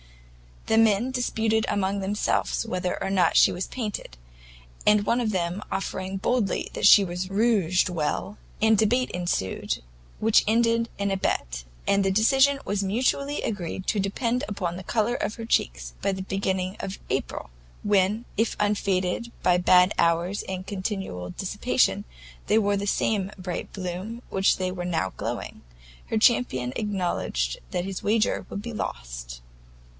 The men disputed among themselves whether or not she was painted; and one of them asserting boldly that she rouged well, a debate ensued, which ended in a bet, and the decision was mutually agreed to depend upon the colour of her cheeks by the beginning of April, when, if unfaded by bad hours and continual dissipation, they wore the same bright bloom with which they were now glowing, her champion acknowledged that his wager would be lost.